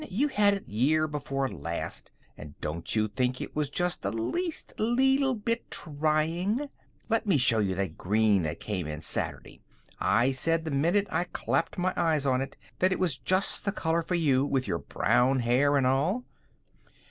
You had it year before last, and don't you think it was just the least leetle bit trying? Let me show you that green that came in yesterday. I said the minute I clapped my eyes on it that it was just the color for you, with your brown hair and all."